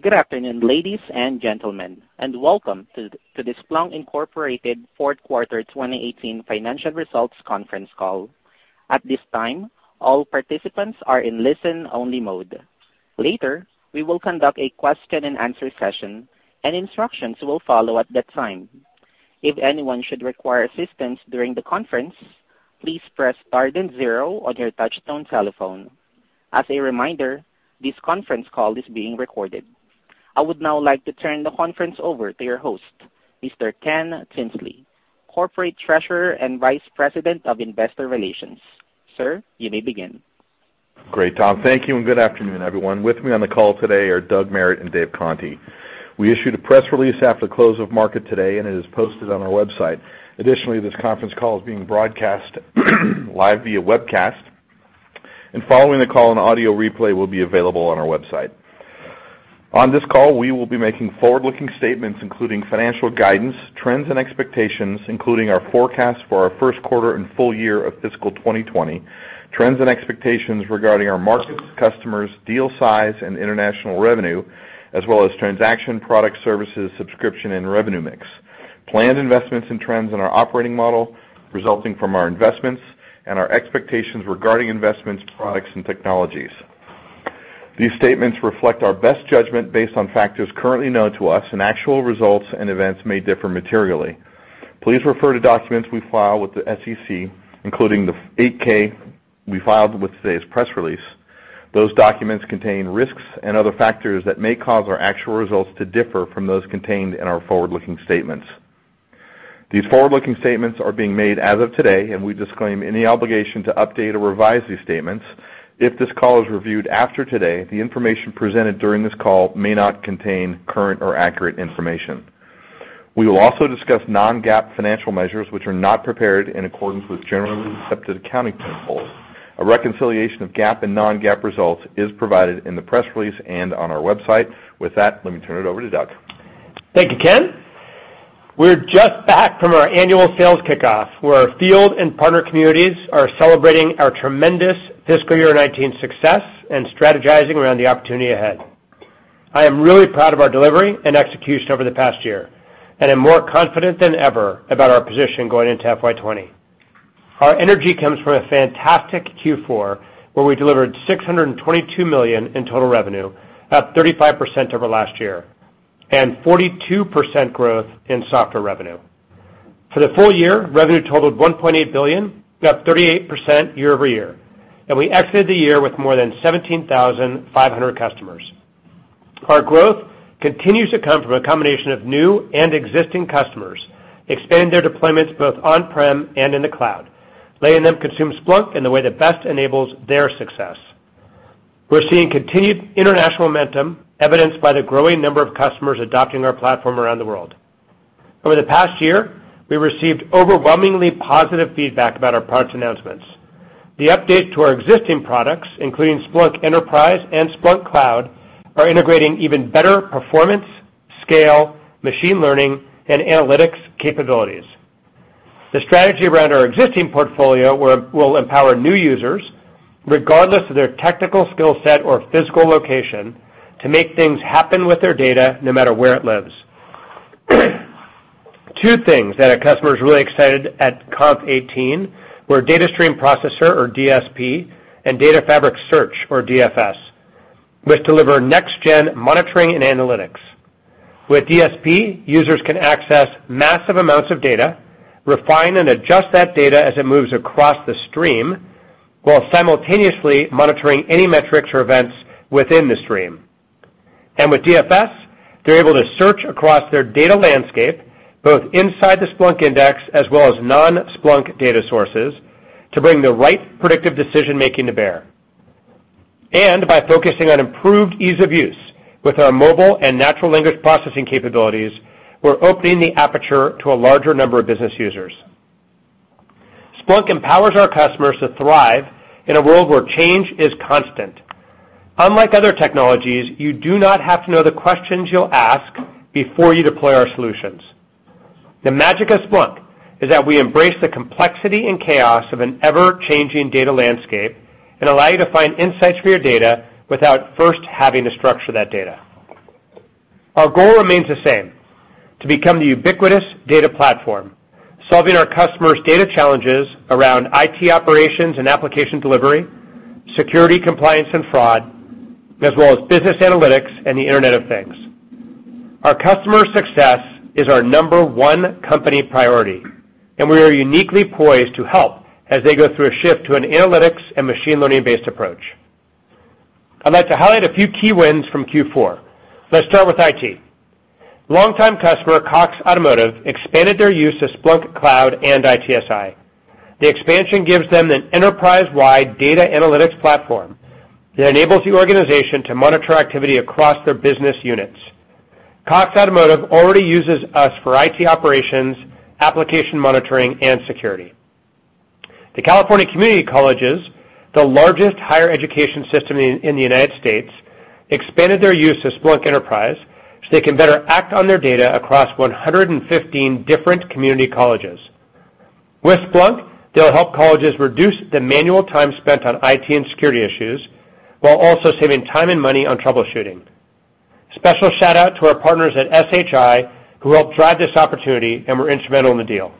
Good afternoon, ladies and gentlemen, and welcome to the Splunk Inc. fourth quarter 2018 financial results conference call. At this time, all participants are in listen-only mode. Later, we will conduct a question and answer session, and instructions will follow at that time. If anyone should require assistance during the conference, please press star then zero on your touchtone telephone. As a reminder, this conference call is being recorded. I would now like to turn the conference over to your host, Mr. Ken Tinsley, corporate treasurer and vice president of investor relations. Sir, you may begin. Great, Tom. Thank you, and good afternoon, everyone. With me on the call today are Doug Merritt and Dave Conte. We issued a press release after the close of market today. It is posted on our website. This conference call is being broadcast live via webcast. Following the call, an audio replay will be available on our website. On this call, we will be making forward-looking statements, including financial guidance, trends and expectations, including our forecast for our first quarter and full year of fiscal 2020, trends and expectations regarding our markets, customers, deal size, and international revenue, as well as transaction, product services, subscription, and revenue mix, planned investments and trends in our operating model resulting from our investments, and our expectations regarding investments, products, and technologies. These statements reflect our best judgment based on factors currently known to us. Actual results and events may differ materially. Please refer to documents we file with the SEC, including the 8-K we filed with today's press release. Those documents contain risks and other factors that may cause our actual results to differ from those contained in our forward-looking statements. These forward-looking statements are being made as of today. We disclaim any obligation to update or revise these statements. If this call is reviewed after today, the information presented during this call may not contain current or accurate information. We will also discuss non-GAAP financial measures, which are not prepared in accordance with generally accepted accounting principles. A reconciliation of GAAP and non-GAAP results is provided in the press release and on our website. With that, let me turn it over to Doug. Thank you, Ken. We're just back from our annual sales kickoff, where our field and partner communities are celebrating our tremendous fiscal year 2019 success and strategizing around the opportunity ahead. I am really proud of our delivery and execution over the past year. I am more confident than ever about our position going into FY 2020. Our energy comes from a fantastic Q4, where we delivered $622 million in total revenue, up 35% over last year. 42% growth in software revenue. For the full year, revenue totaled $1.8 billion, up 38% year-over-year. We exited the year with more than 17,500 customers. Our growth continues to come from a combination of new and existing customers expanding their deployments both on-prem and in the cloud, letting them consume Splunk in the way that best enables their success. We're seeing continued international momentum evidenced by the growing number of customers adopting our platform around the world. Over the past year, we received overwhelmingly positive feedback about our product announcements. The update to our existing products, including Splunk Enterprise and Splunk Cloud, are integrating even better performance, scale, machine learning, and analytics capabilities. The strategy around our existing portfolio will empower new users, regardless of their technical skill set or physical location, to make things happen with their data no matter where it lives. Two things that our customers were really excited at .conf18 were Data Stream Processor, or DSP, and Data Fabric Search, or DFS, which deliver next-gen monitoring and analytics. With DSP, users can access massive amounts of data, refine and adjust that data as it moves across the stream, while simultaneously monitoring any metrics or events within the stream. With DFS, they're able to search across their data landscape, both inside the Splunk index as well as non-Splunk data sources, to bring the right predictive decision-making to bear. By focusing on improved ease of use with our mobile and natural language processing capabilities, we're opening the aperture to a larger number of business users. Splunk empowers our customers to thrive in a world where change is constant. Unlike other technologies, you do not have to know the questions you'll ask before you deploy our solutions. The magic of Splunk is that we embrace the complexity and chaos of an ever-changing data landscape and allow you to find insights for your data without first having to structure that data. Our goal remains the same: to become the ubiquitous data platform, solving our customers' data challenges around IT operations and application delivery, security, compliance, and fraud, as well as business analytics and the Internet of Things. Our customers' success is our number 1 company priority, and we are uniquely poised to help as they go through a shift to an analytics and machine learning-based approach. I'd like to highlight a few key wins from Q4. Let's start with IT. Long-time customer Cox Automotive expanded their use to Splunk Cloud and ITSI. The expansion gives them an enterprise-wide data analytics platform that enables the organization to monitor activity across their business units. Cox Automotive already uses us for IT operations, application monitoring, and security. The California Community Colleges, the largest higher education system in the U.S., expanded their use of Splunk Enterprise so they can better act on their data across 115 different community colleges. With Splunk, they'll help colleges reduce the manual time spent on IT and security issues while also saving time and money on troubleshooting. Special shout-out to our partners at SHI who helped drive this opportunity and were instrumental in the deal.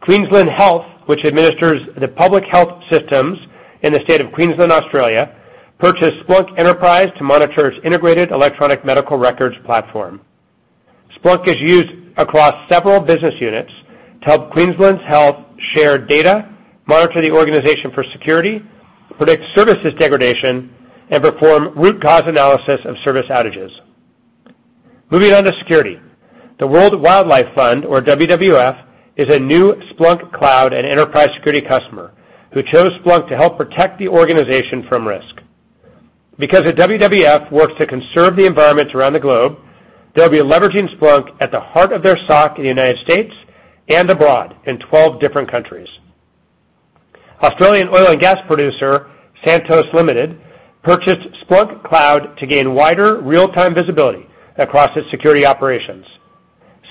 Queensland Health, which administers the public health systems in the state of Queensland, Australia, purchased Splunk Enterprise to monitor its integrated electronic medical records platform. Splunk is used across several business units to help Queensland Health share data, monitor the organization for security, predict services degradation, and perform root cause analysis of service outages. Moving on to security. The World Wildlife Fund, or WWF, is a new Splunk Cloud and Splunk Enterprise Security customer who chose Splunk to help protect the organization from risk. Because the WWF works to conserve the environments around the globe, they'll be leveraging Splunk at the heart of their SOC in the U.S. and abroad in 12 different countries. Australian oil and gas producer, Santos Limited, purchased Splunk Cloud to gain wider real-time visibility across its security operations.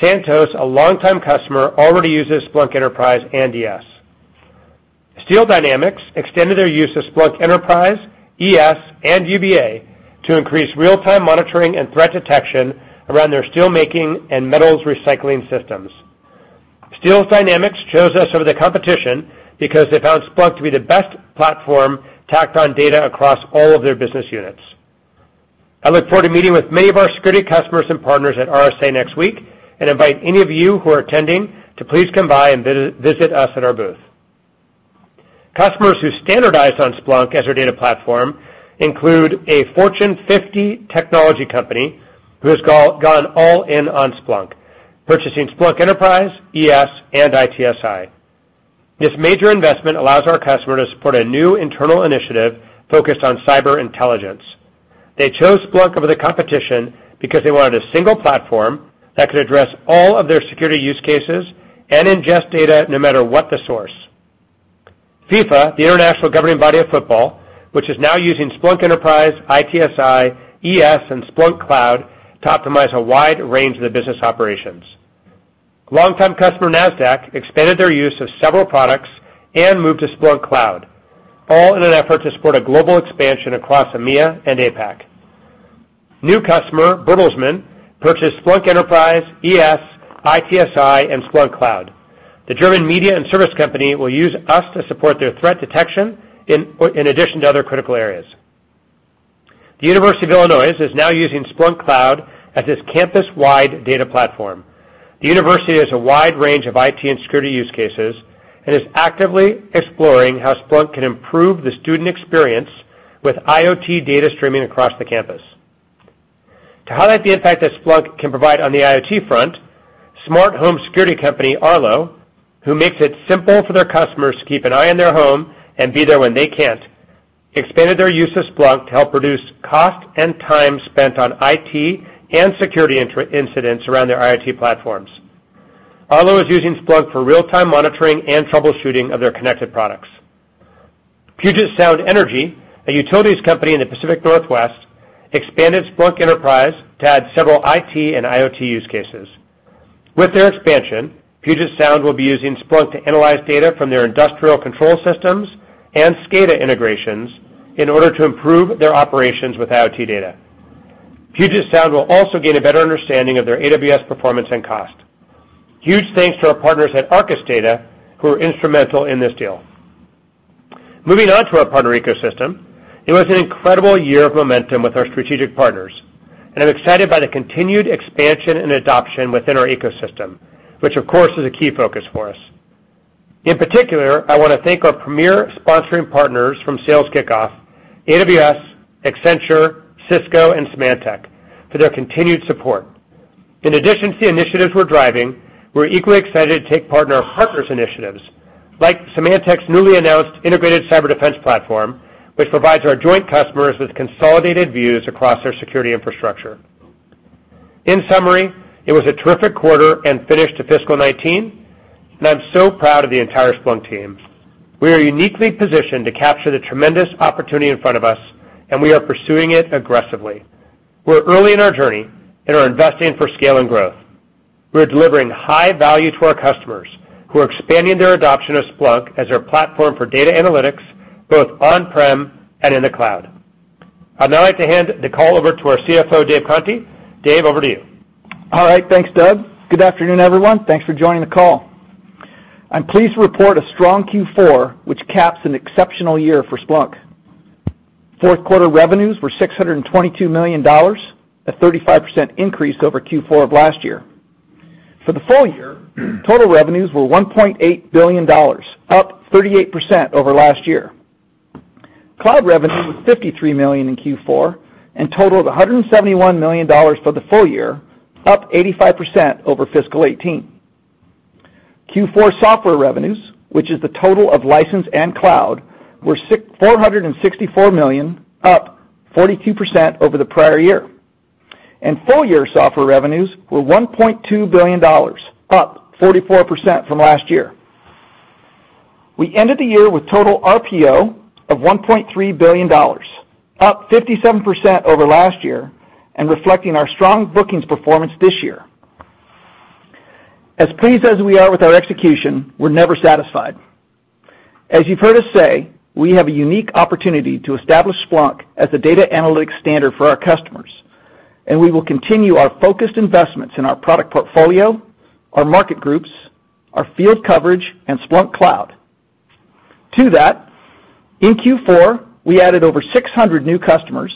Santos, a longtime customer, already uses Splunk Enterprise and ES. Steel Dynamics extended their use of Splunk Enterprise, ES, and UBA to increase real-time monitoring and threat detection around their steelmaking and metals recycling systems. Steel Dynamics chose us over the competition because they found Splunk to be the best platform to act on data across all of their business units. I look forward to meeting with many of our security customers and partners at RSA next week and invite any of you who are attending to please come by and visit us at our booth. Customers who standardize on Splunk as their data platform include a Fortune 50 technology company who has gone all in on Splunk, purchasing Splunk Enterprise, ES, and ITSI. This major investment allows our customer to support a new internal initiative focused on cyber intelligence. They chose Splunk over the competition because they wanted a single platform that could address all of their security use cases and ingest data no matter what the source. FIFA, the international governing body of football, which is now using Splunk Enterprise, ITSI, ES, and Splunk Cloud to optimize a wide range of the business operations. Long-time customer, Nasdaq, expanded their use of several products and moved to Splunk Cloud, all in an effort to support a global expansion across EMEA and APAC. New customer, Bertelsmann, purchased Splunk Enterprise, ES, ITSI, and Splunk Cloud. The German media and service company will use us to support their threat detection in addition to other critical areas. The University of Illinois is now using Splunk Cloud as its campus-wide data platform. The university has a wide range of IT and security use cases and is actively exploring how Splunk can improve the student experience with IoT data streaming across the campus. To highlight the impact that Splunk can provide on the IoT front, smart home security company, Arlo, who makes it simple for their customers to keep an eye on their home and be there when they can't, expanded their use of Splunk to help reduce cost and time spent on IT and security incidents around their IoT platforms. Arlo is using Splunk for real-time monitoring and troubleshooting of their connected products. Puget Sound Energy, a utilities company in the Pacific Northwest, expanded Splunk Enterprise to add several IT and IoT use cases. With their expansion, Puget Sound will be using Splunk to analyze data from their industrial control systems and SCADA integrations in order to improve their operations with IoT data. Puget Sound will also gain a better understanding of their AWS performance and cost. Huge thanks to our partners at Arcus Data, who were instrumental in this deal. Moving on to our partner ecosystem. It was an incredible year of momentum with our strategic partners, and I'm excited by the continued expansion and adoption within our ecosystem, which of course is a key focus for us. In particular, I want to thank our premier sponsoring partners from sales kickoff, AWS, Accenture, Cisco, and Symantec, for their continued support. In addition to the initiatives we're driving, we're equally excited to take partner initiatives, like Symantec's newly announced Integrated Cyber Defense Platform, which provides our joint customers with consolidated views across their security infrastructure. In summary, it was a terrific quarter and finish to fiscal 2019, and I'm so proud of the entire Splunk team. We are uniquely positioned to capture the tremendous opportunity in front of us, and we are pursuing it aggressively. We're early in our journey and are investing for scale and growth. We're delivering high value to our customers who are expanding their adoption of Splunk as their platform for data analytics, both on-prem and in the cloud. I'd now like to hand the call over to our CFO, Dave Conte. Dave, over to you. All right. Thanks, Doug. Good afternoon, everyone. Thanks for joining the call. I'm pleased to report a strong Q4, which caps an exceptional year for Splunk. Fourth quarter revenues were $622 million, a 35% increase over Q4 of last year. For the full year, total revenues were $1.8 billion, up 38% over last year. Cloud revenue was $53 million in Q4 and totaled $171 million for the full year, up 85% over fiscal 2018. Q4 software revenues, which is the total of license and cloud, were $464 million, up 42% over the prior year. Full-year software revenues were $1.2 billion, up 44% from last year. We ended the year with total RPO of $1.3 billion, up 57% over last year, and reflecting our strong bookings performance this year. As pleased as we are with our execution, we're never satisfied. As you've heard us say, we have a unique opportunity to establish Splunk as the data analytics standard for our customers, and we will continue our focused investments in our product portfolio, our market groups, our field coverage, and Splunk Cloud. To that, in Q4, we added over 600 new customers.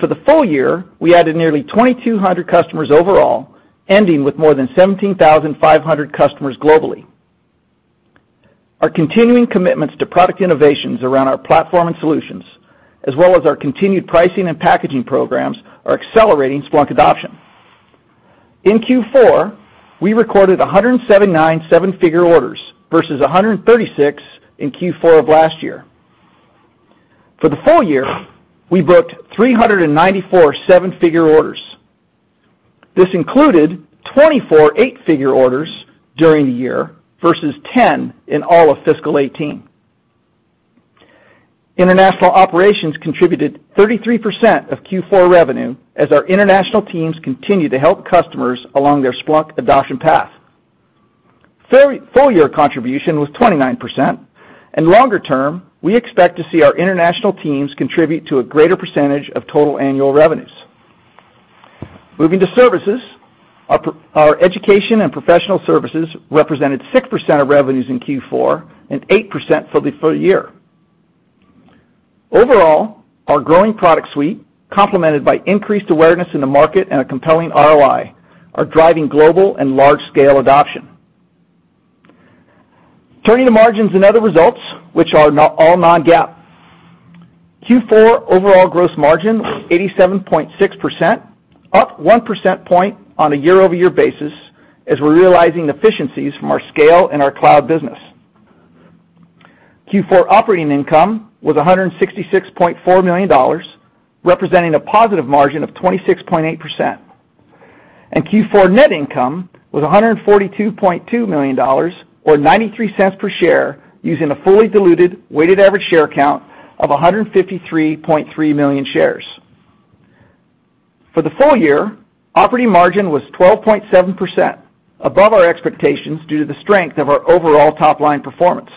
For the full year, we added nearly 2,200 customers overall, ending with more than 17,500 customers globally. Our continuing commitments to product innovations around our platform and solutions, as well as our continued pricing and packaging programs, are accelerating Splunk adoption. In Q4, we recorded 179 seven-figure orders versus 136 in Q4 of last year. For the full year, we booked 394 seven-figure orders. This included 24 eight-figure orders during the year versus 10 in all of fiscal 2018. International operations contributed 33% of Q4 revenue as our international teams continue to help customers along their Splunk adoption path. Full year contribution was 29%, and longer term, we expect to see our international teams contribute to a greater percentage of total annual revenues. Moving to services, our education and professional services represented 6% of revenues in Q4 and 8% for the full year. Overall, our growing product suite, complemented by increased awareness in the market and a compelling ROI, are driving global and large-scale adoption. Turning to margins and other results, which are all non-GAAP. Q4 overall gross margin was 87.6%, up 1% point on a year-over-year basis as we're realizing efficiencies from our scale in our cloud business. Q4 operating income was $166.4 million, representing a positive margin of 26.8%. Q4 net income was $142.2 million, or $0.93 per share using a fully diluted weighted average share count of 153.3 million shares. For the full year, operating margin was 12.7%, above our expectations due to the strength of our overall top-line performance.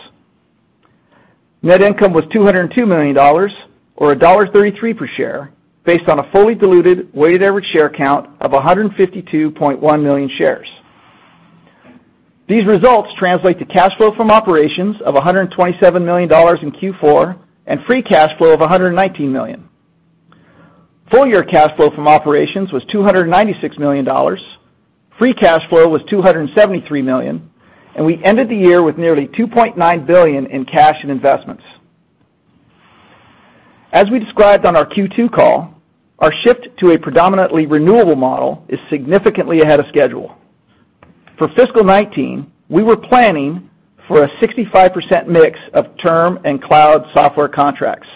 Net income was $202 million, or $1.33 per share, based on a fully diluted weighted average share count of 152.1 million shares. These results translate to cash flow from operations of $127 million in Q4 and free cash flow of $119 million. Full-year cash flow from operations was $296 million. Free cash flow was $273 million, and we ended the year with nearly $2.9 billion in cash and investments. As we described on our Q2 call, our shift to a predominantly renewable model is significantly ahead of schedule. For fiscal 2019, we were planning for a 65% mix of term and cloud software contracts.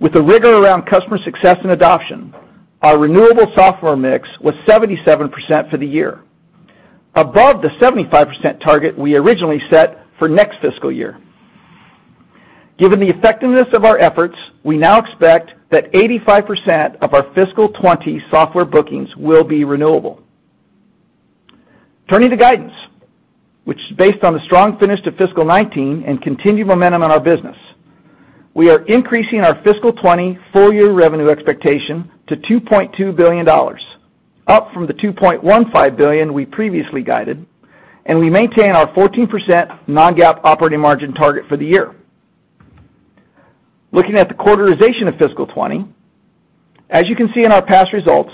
With the rigor around customer success and adoption, our renewable software mix was 77% for the year, above the 75% target we originally set for next fiscal year. Given the effectiveness of our efforts, we now expect that 85% of our fiscal 2020 software bookings will be renewable. Turning to guidance, which is based on the strong finish to fiscal 2019 and continued momentum in our business. We are increasing our fiscal 2020 full year revenue expectation to $2.2 billion, up from the $2.15 billion we previously guided, and we maintain our 14% non-GAAP operating margin target for the year. Looking at the quarterization of fiscal 2020, as you can see in our past results,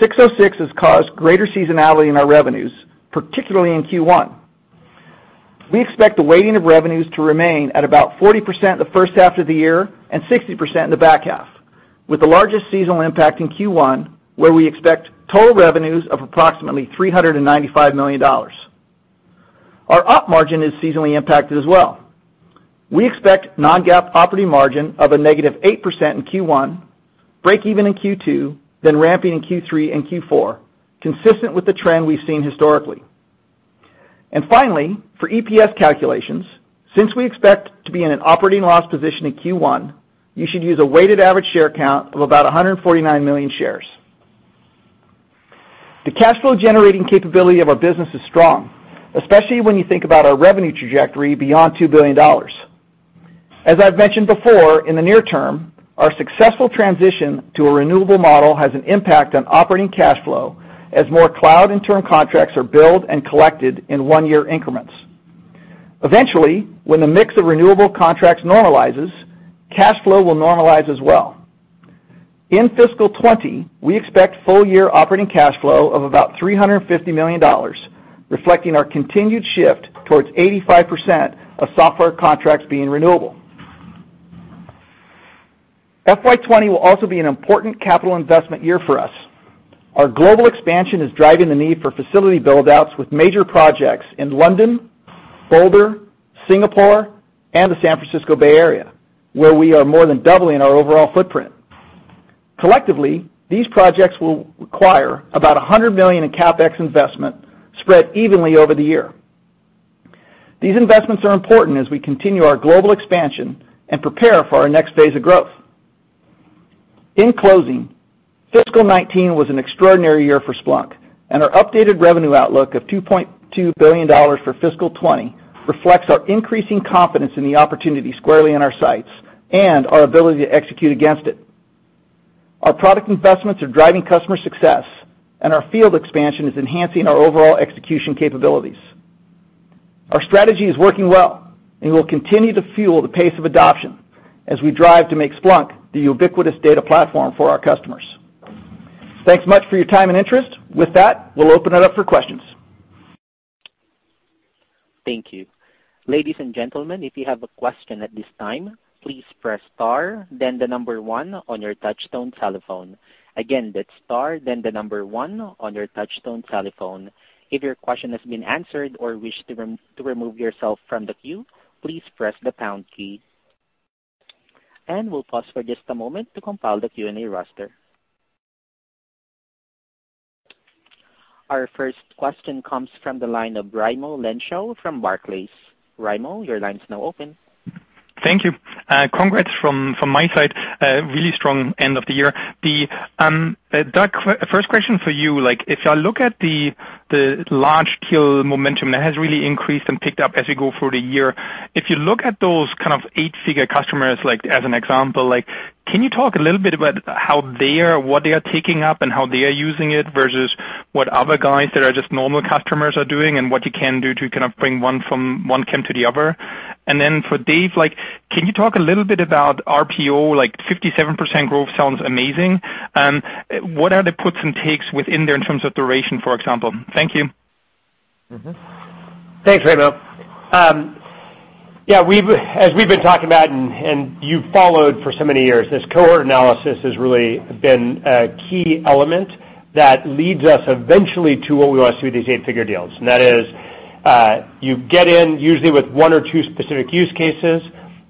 606 has caused greater seasonality in our revenues, particularly in Q1. We expect the weighting of revenues to remain at about 40% the first half of the year and 60% in the back half, with the largest seasonal impact in Q1, where we expect total revenues of approximately $395 million. Our op margin is seasonally impacted as well. We expect non-GAAP operating margin of -8% in Q1, break even in Q2, then ramping in Q3 and Q4, consistent with the trend we've seen historically. Finally, for EPS calculations, since we expect to be in an operating loss position in Q1, you should use a weighted average share count of about 149 million shares. The cash flow generating capability of our business is strong, especially when you think about our revenue trajectory beyond $2 billion. As I've mentioned before, in the near term, our successful transition to a renewable model has an impact on operating cash flow as more cloud and term contracts are billed and collected in one-year increments. Eventually, when the mix of renewable contracts normalizes, cash flow will normalize as well. In fiscal 2020, we expect full year operating cash flow of about $350 million, reflecting our continued shift towards 85% of software contracts being renewable. FY 2020 will also be an important capital investment year for us. Our global expansion is driving the need for facility build-outs with major projects in London, Boulder, Singapore, and the San Francisco Bay Area, where we are more than doubling our overall footprint. Collectively, these projects will require about $100 million in CapEx investment spread evenly over the year. These investments are important as we continue our global expansion and prepare for our next phase of growth. In closing, fiscal 2019 was an extraordinary year for Splunk, and our updated revenue outlook of $2.2 billion for fiscal 2020 reflects our increasing confidence in the opportunity squarely in our sights and our ability to execute against it. Our product investments are driving customer success, and our field expansion is enhancing our overall execution capabilities. Our strategy is working well, and will continue to fuel the pace of adoption as we drive to make Splunk the ubiquitous data platform for our customers. Thanks much for your time and interest. With that, we'll open it up for questions. Thank you. Ladies and gentlemen, if you have a question at this time, please press star, then the number 1 on your touchtone telephone. Again, that's star, then the number 1 on your touchtone telephone. If your question has been answered or wish to remove yourself from the queue, please press the pound key. We'll pause for just a moment to compile the Q&A roster. Our first question comes from the line of Raimo Lenschow from Barclays. Raimo, your line's now open. Thank you. Congrats from my side. A really strong end of the year. Doug, first question for you. If I look at the large deal momentum that has really increased and picked up as you go through the year, if you look at those kind of 8-figure customers, as an example, can you talk a little bit about what they are taking up and how they are using it, versus what other guys that are just normal customers are doing, and what you can do to bring one camp to the other? Then for Dave, can you talk a little bit about RPO? 57% growth sounds amazing. What are the puts and takes within there in terms of duration, for example? Thank you. Thanks, Raimo. As we've been talking about, and you've followed for so many years, this cohort analysis has really been a key element that leads us eventually to what we want to see with these 8-figure deals. That is, you get in usually with one or 2 specific use cases.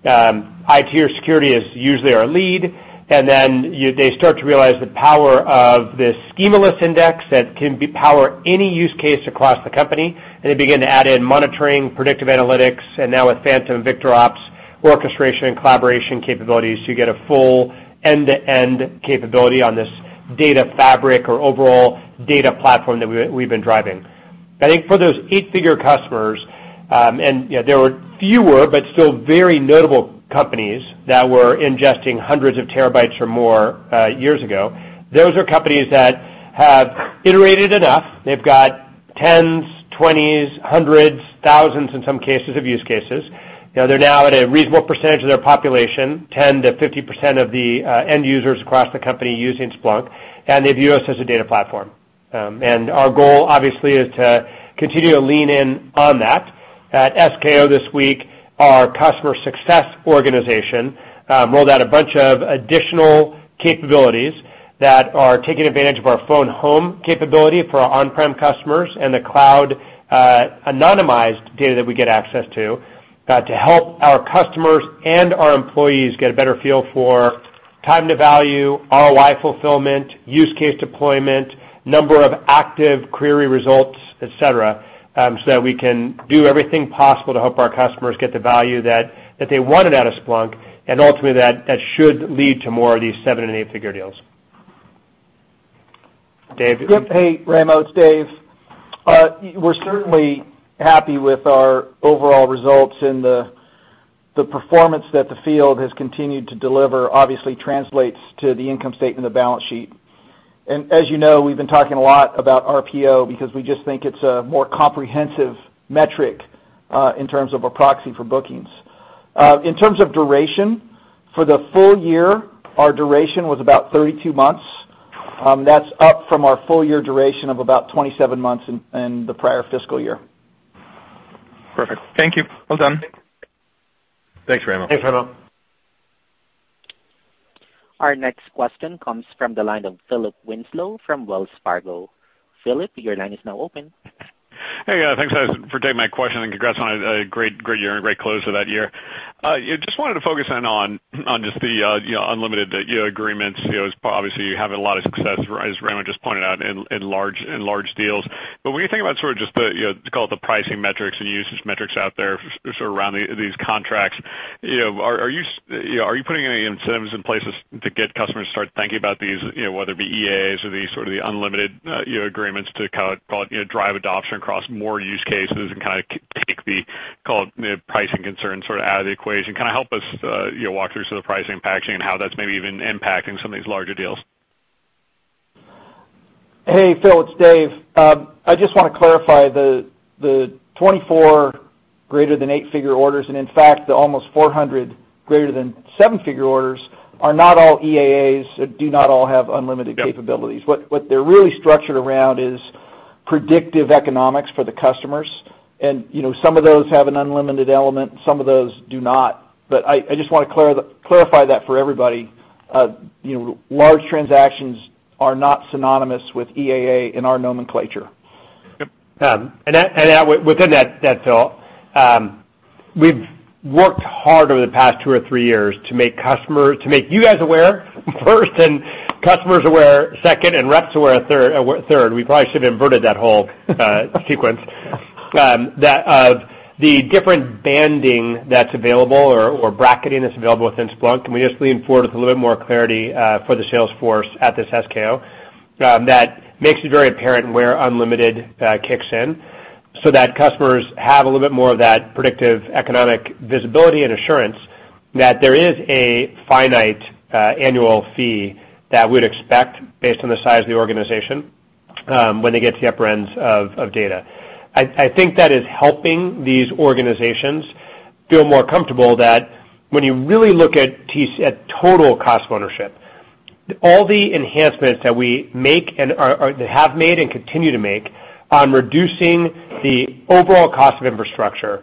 IT or security is usually our lead, and then they start to realize the power of this schemaless index that can power any use case across the company, and they begin to add in monitoring, predictive analytics, and now with Phantom and VictorOps, orchestration and collaboration capabilities to get a full end-to-end capability on this data fabric or overall data platform that we've been driving. I think for those 8-figure customers, there were fewer but still very notable companies that were ingesting hundreds of terabytes or more years ago. Those are companies that have iterated enough. They've got tens, 20s, hundreds, thousands in some cases of use cases. They're now at a reasonable percentage of their population, 10%-50% of the end users across the company using Splunk, and they view us as a data platform. Our goal, obviously, is to continue to lean in on that. At SKO this week, our customer success organization rolled out a bunch of additional capabilities that are taking advantage of our phone home capability for our on-prem customers and the cloud anonymized data that we get access to help our customers and our employees get a better feel for time to value, ROI fulfillment, use case deployment, number of active query results, et cetera, so that we can do everything possible to help our customers get the value that they wanted out of Splunk, ultimately, that should lead to more of these 7 and 8-figure deals. Dave? Hey, Raimo, it's Dave. We're certainly happy with our overall results, the performance that the field has continued to deliver obviously translates to the income statement and the balance sheet. As you know, we've been talking a lot about RPO because we just think it's a more comprehensive metric in terms of a proxy for bookings. In terms of duration, for the full year, our duration was about 32 months. That's up from our full year duration of about 27 months in the prior fiscal year. Perfect. Thank you. Well done. Thanks, Raimo. Thanks, Raimo. Our next question comes from the line of Philip Winslow from Wells Fargo. Philip, your line is now open. Hey, guys. Thanks for taking my question. Congrats on a great year and great close to that year. Just wanted to focus in on just the unlimited year agreements. Obviously, you have a lot of success, as Raimo just pointed out, in large deals. When you think about sort of just the pricing metrics and usage metrics out there sort of around these contracts, are you putting any incentives in places to get customers to start thinking about these, whether it be EEAs, these sort of the unlimited year agreements to drive adoption across more use cases and kind of take the pricing concern sort of out of the equation? Help us walk through some of the pricing packaging and how that's maybe even impacting some of these larger deals. Hey, Phil, it's Dave. I just want to clarify the 24 greater than eight-figure orders, and in fact, the almost 400 greater than seven-figure orders are not all EEAs, do not all have unlimited capabilities. Yep. What they're really structured around is predictive economics for the customers. Some of those have an unlimited element, and some of those do not. I just want to clarify that for everybody. Large transactions are not synonymous with EAA in our nomenclature. Yep. Within that, Phil, we've worked hard over the past two or three years to make you guys aware first, and customers aware second, and reps aware third. We probably should have inverted that whole sequence. Of the different banding that's available or bracketing that's available within Splunk, can we just lean forward with a little bit more clarity for the sales force at this SKO that makes it very apparent where unlimited kicks in, so that customers have a little bit more of that predictive economic visibility and assurance that there is a finite annual fee that we'd expect based on the size of the organization when they get to the upper ends of data. I think that is helping these organizations feel more comfortable that when you really look at total cost of ownership, all the enhancements that we have made and continue to make on reducing the overall cost of infrastructure,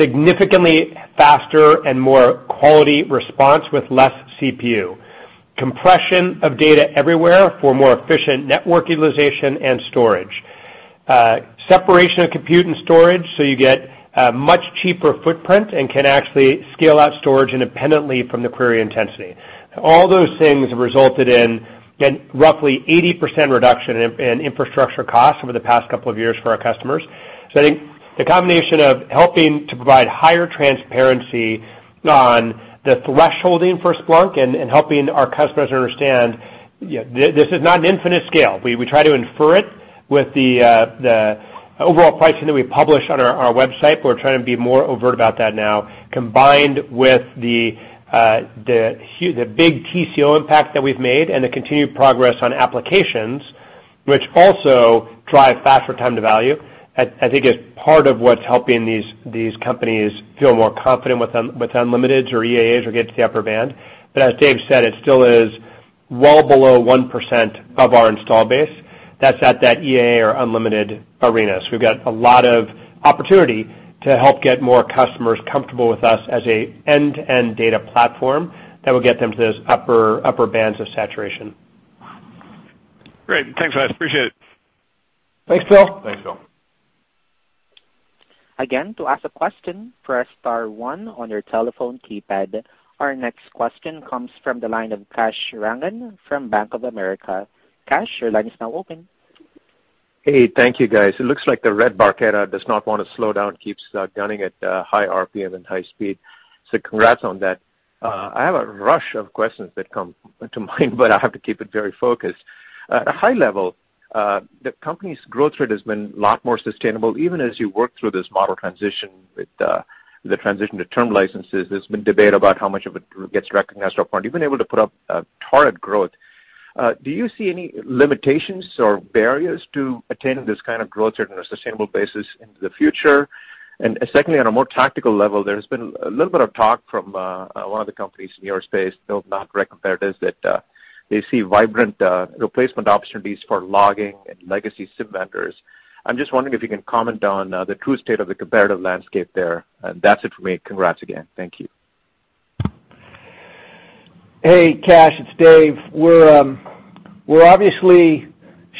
significantly faster and more quality response with less CPU, compression of data everywhere for more efficient network utilization and storage, separation of compute and storage, so you get a much cheaper footprint and can actually scale out storage independently from the query intensity. All those things have resulted in roughly 80% reduction in infrastructure costs over the past couple of years for our customers. I think the combination of helping to provide higher transparency on the thresholding for Splunk and helping our customers understand this is not an infinite scale. We try to infer it with the overall pricing that we publish on our website. We're trying to be more overt about that now, combined with the big TCO impact that we've made and the continued progress on applications, which also drive faster time to value, I think is part of what's helping these companies feel more confident with Unlimiteds or EAAs or get to the upper band. As Dave said, it still is well below 1% of our install base. That's at that EAA or Unlimited arena. We've got a lot of opportunity to help get more customers comfortable with us as an end-to-end data platform that will get them to those upper bands of saturation. Great. Thanks, guys. Appreciate it. Thanks, Phil. Thanks, Phil. To ask a question, press star one on your telephone keypad. Our next question comes from the line of Kash Rangan from Bank of America. Kash, your line is now open. Hey, thank you, guys. It looks like the Red Barchetta does not want to slow down, keeps gunning at high RPM and high speed. Congrats on that. I have a rush of questions that come to mind, but I have to keep it very focused. At a high level, the company's growth rate has been a lot more sustainable even as you work through this model transition with the transition to term licenses. There's been debate about how much of it gets recognized or you've been able to put up target growth. Do you see any limitations or barriers to attaining this kind of growth rate on a sustainable basis into the future? Secondly, on a more tactical level, there's been a little bit of talk from one of the companies in your space, not direct competitors, that they see vibrant replacement opportunities for logging and legacy SIEM vendors. I'm just wondering if you can comment on the true state of the competitive landscape there. That's it for me. Congrats again. Thank you. Hey, Kash, it's Dave. We're obviously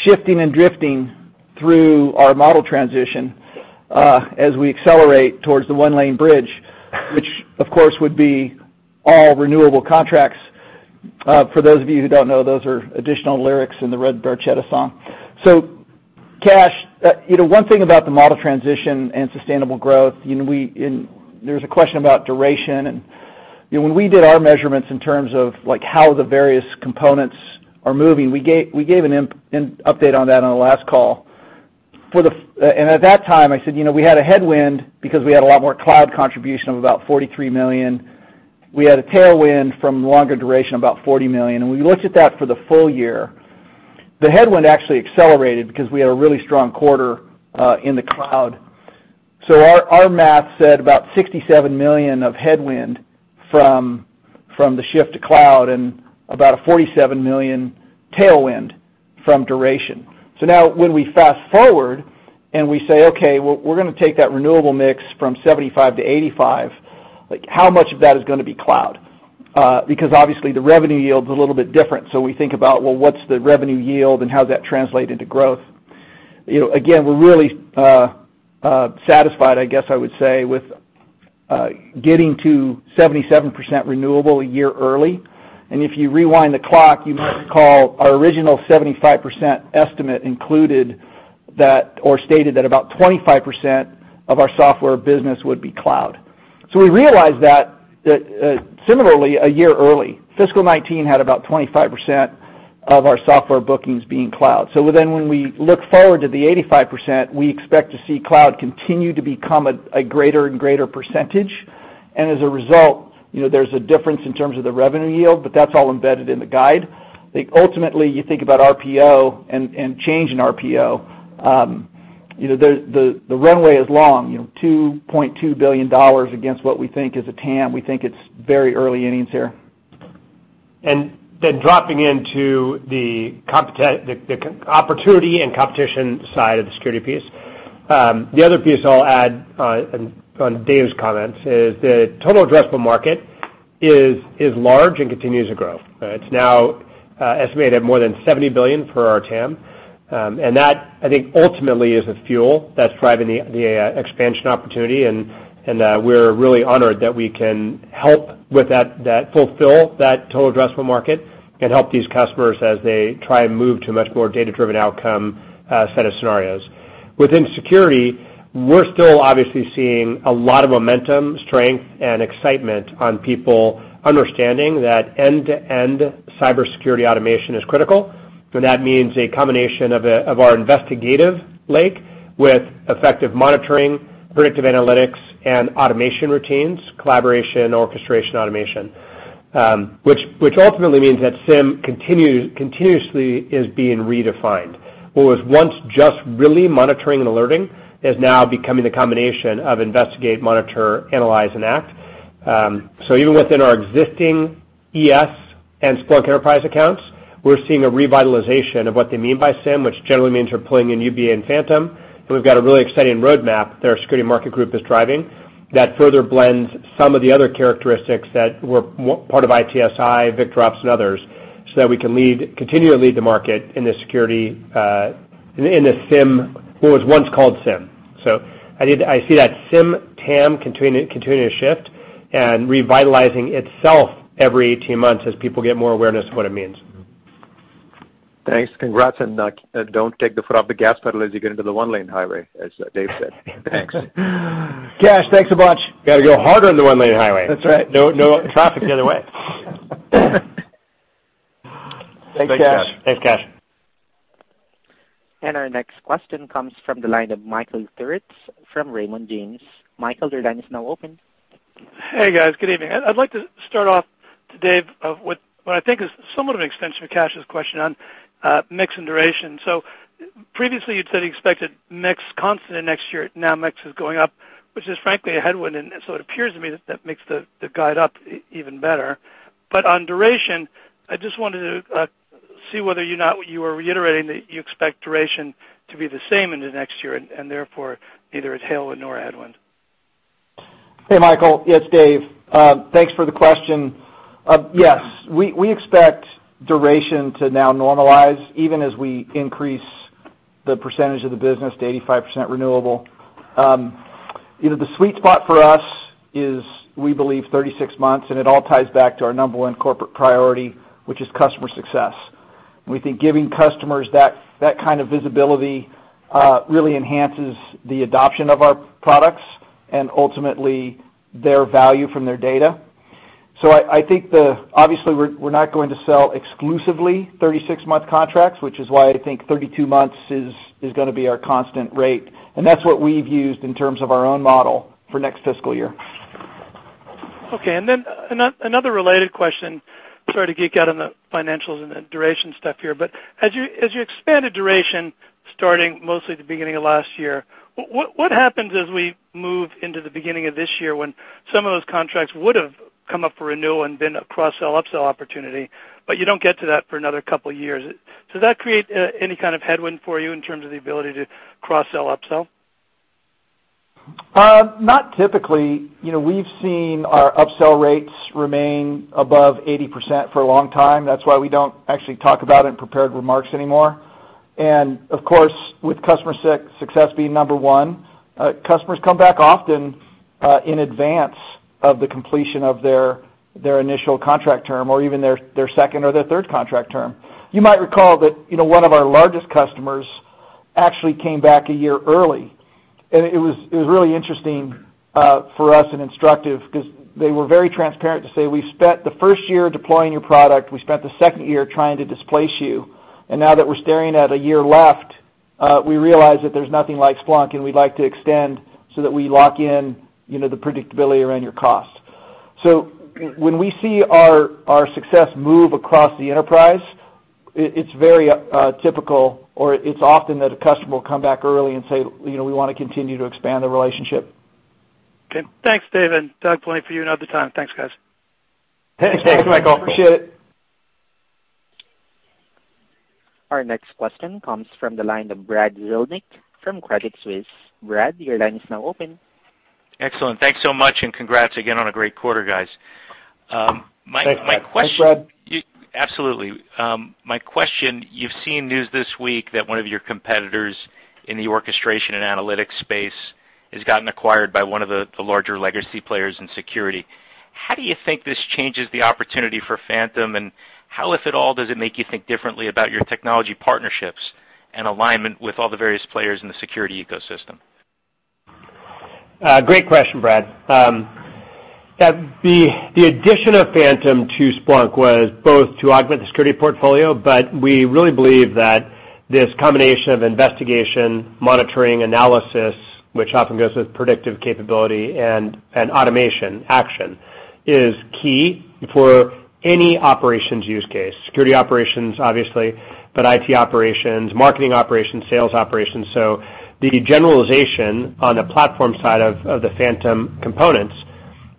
shifting and drifting through our model transition as we accelerate towards the one-lane bridge, which, of course, would be all renewable contracts. For those of you who don't know, those are additional lyrics in the Red Barchetta song. Kash, one thing about the model transition and sustainable growth, there's a question about duration. When we did our measurements in terms of how the various components are moving, we gave an update on that on the last call. At that time, I said we had a headwind because we had a lot more cloud contribution of about $43 million. We had a tailwind from longer duration, about $40 million. We looked at that for the full year. The headwind actually accelerated because we had a really strong quarter in the cloud. Our math said about $67 million of headwind from the shift to cloud and about a $47 million tailwind from duration. Now when we fast-forward and we say, "Okay, we're going to take that renewable mix from 75 to 85, how much of that is going to be cloud?" Because obviously the revenue yield's a little bit different. We think about, well, what's the revenue yield and how does that translate into growth. Again, we're really satisfied, I guess I would say, with getting to 77% renewable a year early. If you rewind the clock, you might recall our original 75% estimate included or stated that about 25% of our software business would be cloud. We realized that similarly a year early. Fiscal 2019 had about 25% of our software bookings being cloud. When we look forward to the 85%, we expect to see cloud continue to become a greater and greater percentage. As a result, there's a difference in terms of the revenue yield, but that's all embedded in the guide. Ultimately, you think about RPO and change in RPO, the runway is long. $2.2 billion against what we think is a TAM. We think it's very early innings here. Dropping into the opportunity and competition side of the security piece. The other piece I'll add on Dave's comments is the total addressable market is large and continues to grow. It's now estimated at more than $70 billion for our TAM, and that, I think, ultimately is the fuel that's driving the expansion opportunity, and that we're really honored that we can help fulfill that total addressable market and help these customers as they try and move to a much more data-driven outcome set of scenarios. Within security, we're still obviously seeing a lot of momentum, strength, and excitement on people understanding that end-to-end cybersecurity automation is critical. That means a combination of our investigative lake with effective monitoring, predictive analytics, and automation routines, collaboration, orchestration, automation, which ultimately means that SIEM continuously is being redefined. What was once just really monitoring and alerting is now becoming the combination of investigate, monitor, analyze, and act. Even within our existing ES and Splunk Enterprise accounts, we're seeing a revitalization of what they mean by SIEM, which generally means you're pulling in UBA and Splunk Phantom. We've got a really exciting roadmap that our security market group is driving that further blends some of the other characteristics that were part of ITSI, VictorOps, and others, so that we can continue to lead the market in the security, what was once called SIEM. I see that SIEM TAM continuing to shift and revitalizing itself every 18 months as people get more awareness of what it means. Thanks. Congrats, don't take the foot off the gas pedal as you get into the one-lane highway, as Dave said. Thanks. Kash, thanks a bunch. Got to go harder on the one-lane highway. That's right. No traffic the other way. Thanks, Kash. Thanks, Kash. Our next question comes from the line of Michael Turits from Raymond James. Michael, your line is now open. Hey, guys. Good evening. I'd like to start off to Dave of what I think is somewhat of an extension of Kash's question on mix and duration. Previously you'd said you expected mix constant next year. Now mix is going up, which is frankly a headwind. It appears to me that that makes the guide up even better. On duration, I just wanted to see whether or not you were reiterating that you expect duration to be the same into next year and therefore neither a tailwind nor a headwind. Hey, Michael. It's Dave. Thanks for the question. Yes, we expect duration to now normalize even as we increase the percentage of the business to 85% renewable. The sweet spot for us is, we believe, 36 months, and it all ties back to our number 1 corporate priority, which is customer success. We think giving customers that kind of visibility really enhances the adoption of our products and ultimately their value from their data. I think obviously we're not going to sell exclusively 36-month contracts, which is why I think 32 months is going to be our constant rate, and that's what we've used in terms of our own model for next fiscal year. Okay. Another related question. Sorry to geek out on the financials and the duration stuff here, but as you expanded duration starting mostly at the beginning of last year, what happens as we move into the beginning of this year when some of those contracts would have come up for renewal and been a cross-sell, upsell opportunity, but you don't get to that for another couple of years. Does that create any kind of headwind for you in terms of the ability to cross-sell, upsell? Not typically. We've seen our upsell rates remain above 80% for a long time. That's why we don't actually talk about it in prepared remarks anymore. Of course, with customer success being number 1, customers come back often, in advance of the completion of their initial contract term or even their second or their third contract term. You might recall that one of our largest customers actually came back a year early. It was really interesting for us and instructive because they were very transparent to say, "We spent the first year deploying your product. We spent the second year trying to displace you. Now that we're staring at a year left, we realize that there's nothing like Splunk, and we'd like to extend so that we lock in the predictability around your cost." When we see our success move across the enterprise, it's very typical or it's often that a customer will come back early and say, "We want to continue to expand the relationship. Okay. Thanks, Dave, and Doug, plenty for you another time. Thanks, guys. Thanks, Michael. Appreciate it. Our next question comes from the line of Brad Zelnick from Credit Suisse. Brad, your line is now open. Excellent. Thanks so much, and congrats again on a great quarter, guys. Thanks, Brad. Thanks, Brad. Absolutely. My question, you've seen news this week that one of your competitors in the orchestration and analytics space has gotten acquired by one of the larger legacy players in security. How do you think this changes the opportunity for Phantom, and how, if at all, does it make you think differently about your technology partnerships and alignment with all the various players in the security ecosystem? Great question, Brad. The addition of Phantom to Splunk was both to augment the security portfolio, but we really believe that this combination of investigation, monitoring, analysis, which often goes with predictive capability and automation action, is key for any operations use case, security operations, obviously, but IT operations, marketing operations, sales operations. The generalization on the platform side of the Phantom components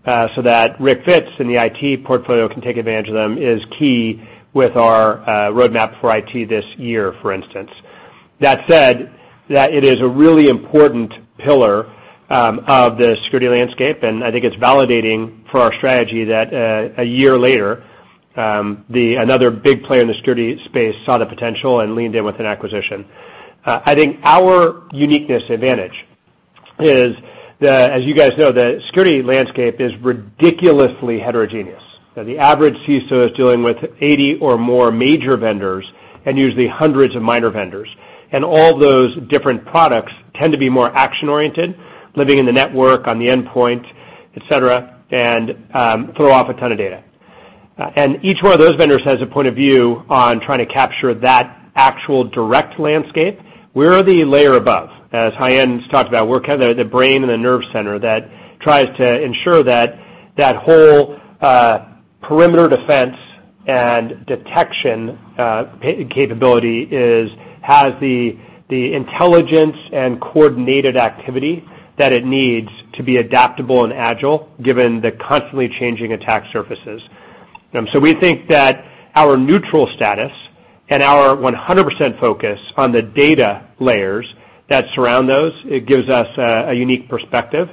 so that IT fits in the IT portfolio can take advantage of them is key with our roadmap for IT this year, for instance. That said, it is a really important pillar of the security landscape, and I think it's validating for our strategy that one year later, another big player in the security space saw the potential and leaned in with an acquisition. I think our uniqueness advantage is the, as you guys know, the security landscape is ridiculously heterogeneous. The average CISO is dealing with 80 or more major vendors and usually hundreds of minor vendors. All those different products tend to be more action-oriented, living in the network, on the endpoint, et cetera, and throw off a ton of data. Each one of those vendors has a point of view on trying to capture that actual direct landscape. We're the layer above. As Haiyan's talked about, we're kind of the brain and the nerve center that tries to ensure that whole perimeter defense and detection capability has the intelligence and coordinated activity that it needs to be adaptable and agile given the constantly changing attack surfaces. We think that our neutral status and our 100% focus on the data layers that surround those, it gives us a unique perspective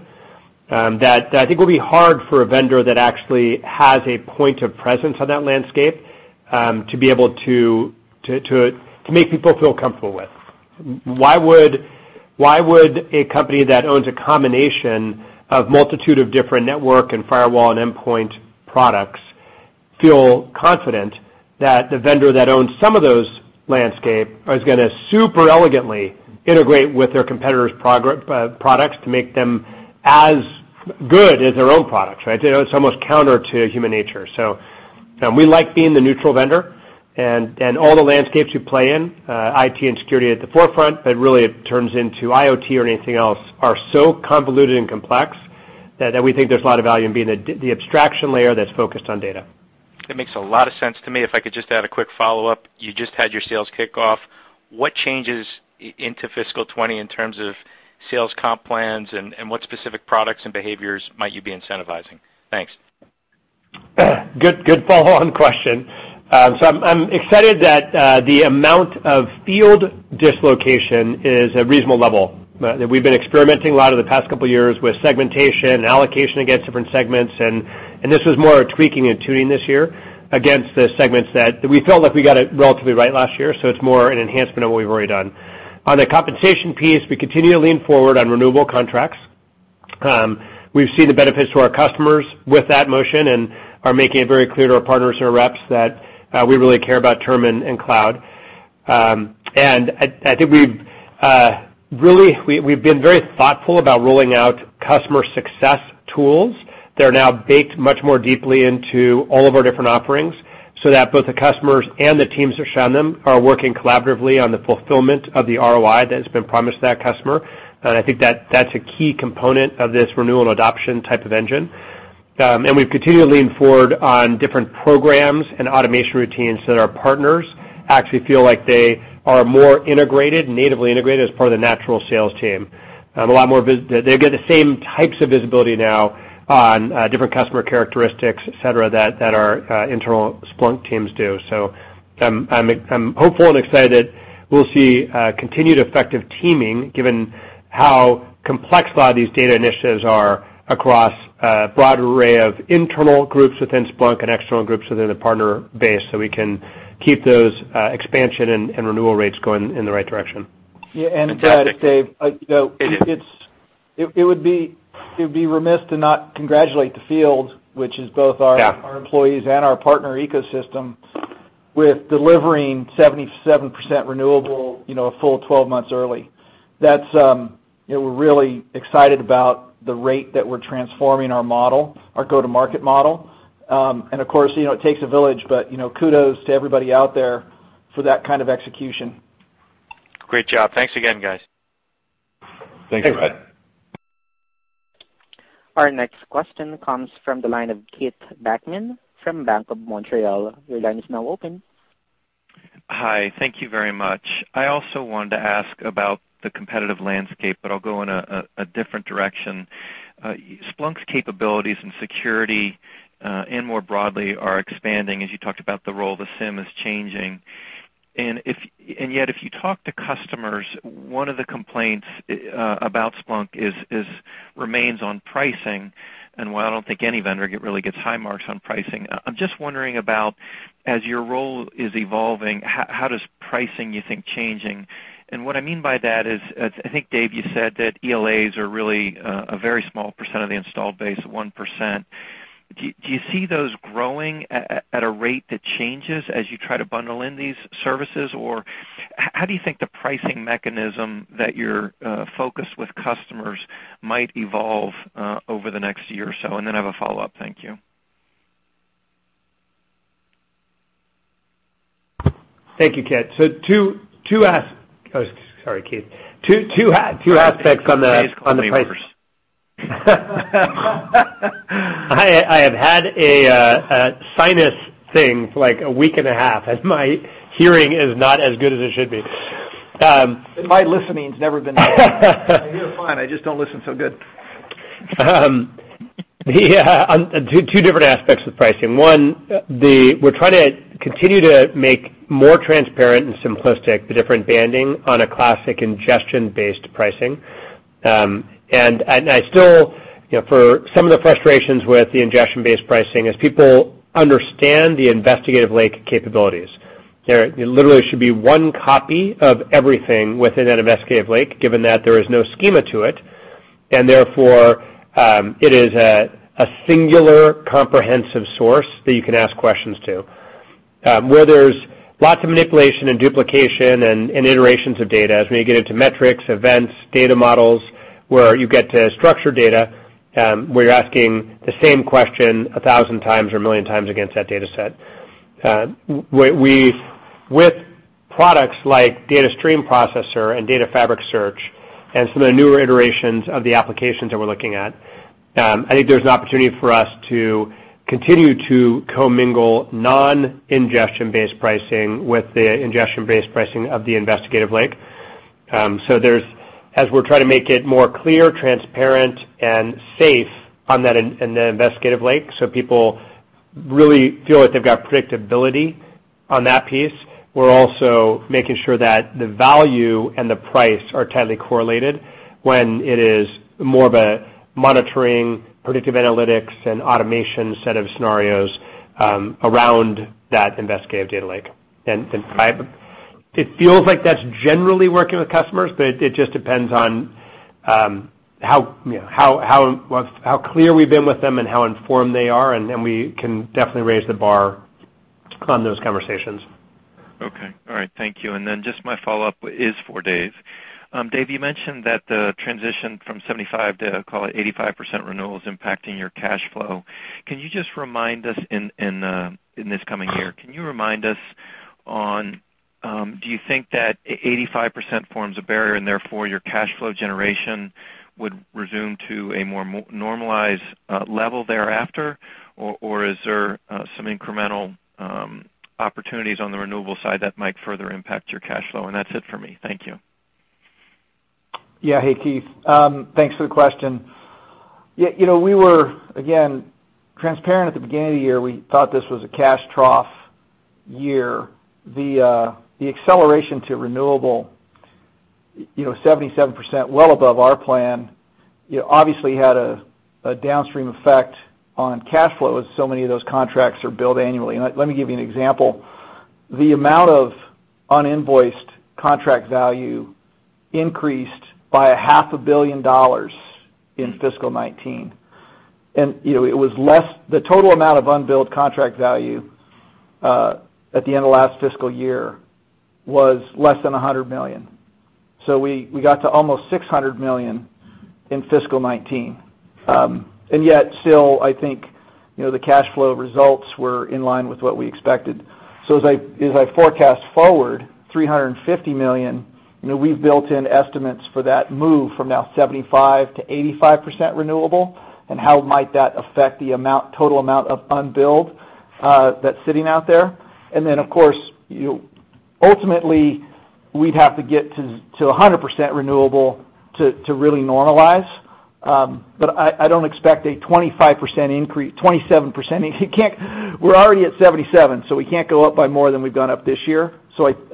that I think will be hard for a vendor that actually has a point of presence on that landscape to be able to make people feel comfortable with. Why would a company that owns a combination of multitude of different network and firewall and endpoint products feel confident that the vendor that owns some of those landscape is going to super elegantly integrate with their competitor's products to make them as good as their own products, right? It's almost counter to human nature. We like being the neutral vendor and all the landscapes you play in, IT and security at the forefront, but really it turns into IoT or anything else are so convoluted and complex that we think there's a lot of value in being the abstraction layer that's focused on data. That makes a lot of sense to me. If I could just add a quick follow-up. You just had your sales kickoff. What changes into fiscal 2020 in terms of sales comp plans and what specific products and behaviors might you be incentivizing? Thanks. Good follow-on question. I'm excited that the amount of field dislocation is at reasonable level. We've been experimenting a lot over the past couple of years with segmentation and allocation against different segments, and this was more a tweaking and tuning this year against the segments that we felt like we got it relatively right last year. It's more an enhancement on what we've already done. On the compensation piece, we continue to lean forward on renewable contracts. We've seen the benefits to our customers with that motion and are making it very clear to our partners and our reps that we really care about term and cloud. I think we've been very thoughtful about rolling out customer success tools that are now baked much more deeply into all of our different offerings so that both the customers and the teams that are shown them are working collaboratively on the fulfillment of the ROI that has been promised to that customer. I think that's a key component of this renewal and adoption type of engine. We've continued to lean forward on different programs and automation routines so that our partners actually feel like they are more integrated, natively integrated as part of the natural sales team. They get the same types of visibility now on different customer characteristics, et cetera, that our internal Splunk teams do. I'm hopeful and excited we'll see continued effective teaming given how complex a lot of these data initiatives are across a broad array of internal groups within Splunk and external groups within the partner base we can keep those expansion and renewal rates going in the right direction. Yeah, to add, Dave, it would be remiss to not congratulate the field, which is both our Yeah our employees and our partner ecosystem with delivering 77% renewable a full 12 months early. We're really excited about the rate that we're transforming our model, our go-to-market model. Of course, it takes a village, but kudos to everybody out there for that kind of execution. Great job. Thanks again, guys. Thanks, Brad. Thanks. Our next question comes from the line of Keith Bachman from Bank of Montreal. Your line is now open. Hi. Thank you very much. I also wanted to ask about the competitive landscape, but I'll go in a different direction. Splunk's capabilities and security, and more broadly, are expanding as you talked about the role the SIEM is changing. Yet if you talk to customers, one of the complaints about Splunk remains on pricing, and while I don't think any vendor really gets high marks on pricing, I'm just wondering about as your role is evolving, how does pricing, you think, changing? What I mean by that is, I think, Dave, you said that ELAs are really a very small % of the installed base, 1%. Do you see those growing at a rate that changes as you try to bundle in these services? How do you think the pricing mechanism that you're focused with customers might evolve over the next year or so? I have a follow-up. Thank you. Thank you, Keith. Oh, sorry, Keith. Two aspects on the price- Dave Conte's calling me Keith. I have had a sinus thing for a week and a half, and my hearing is not as good as it should be. My listening's never been better. I hear fine, I just don't listen so good. Yeah. Two different aspects of pricing. One, we're trying to continue to make more transparent and simplistic the different banding on a classic ingestion-based pricing. I still, for some of the frustrations with the ingestion-based pricing, as people understand the investigative lake capabilities. There literally should be one copy of everything within an investigative lake, given that there is no schema to it, and therefore, it is a singular, comprehensive source that you can ask questions to. Where there's lots of manipulation and duplication and iterations of data is when you get into metrics, events, data models, where you get to structured data, where you're asking the same question 1,000 times or 1 million times against that data set. With products like Splunk Data Stream Processor and Splunk Data Fabric Search and some of the newer iterations of the applications that we're looking at, I think there's an opportunity for us to continue to commingle non-ingestion-based pricing with the ingestion-based pricing of the investigative lake. As we're trying to make it more clear, transparent, and safe on the investigative lake so people really feel like they've got predictability on that piece, we're also making sure that the value and the price are tightly correlated when it is more of a monitoring, predictive analytics, and automation set of scenarios around that investigative data lake. It feels like that's generally working with customers, but it just depends on how clear we've been with them and how informed they are, and we can definitely raise the bar on those conversations. Okay. All right. Thank you. Then just my follow-up is for Dave. Dave, you mentioned that the transition from 75 to, call it, 85% renewal is impacting your cash flow. In this coming year, can you remind us, do you think that 85% forms a barrier and therefore your cash flow generation would resume to a more normalized level thereafter? Is there some incremental opportunities on the renewable side that might further impact your cash flow? That's it for me. Thank you. Yeah. Hey, Keith. Thanks for the question. Yeah, we were, again, transparent at the beginning of the year. We thought this was a cash trough year. The acceleration to renewable, 77%, well above our plan, obviously had a downstream effect on cash flow, as so many of those contracts are billed annually. Let me give you an example. The amount of un-invoiced contract value increased by a half a billion dollars in fiscal 2019. The total amount of unbilled contract value, at the end of last fiscal year, was less than $100 million. We got to almost $600 million in fiscal 2019. Yet still, I think, the cash flow results were in line with what we expected. As I forecast forward $350 million, we've built in estimates for that move from now 75%-85% renewable, and how might that affect the total amount of unbilled that's sitting out there. Then, of course, ultimately, we'd have to get to 100% renewable to really normalize. I don't expect a 27% increase. We're already at 77%, so we can't go up by more than we've gone up this year.